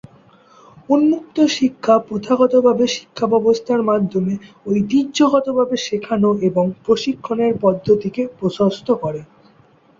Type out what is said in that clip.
উন্মুক্ত শিক্ষা প্রথাগতভাবে শিক্ষাব্যবস্থার মাধ্যমে ঐতিহ্যগতভাবে শেখানো এবং প্রশিক্ষণের পদ্ধতিকে প্রশস্ত করে।